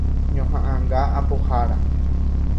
Ñoha'ãnga apohára.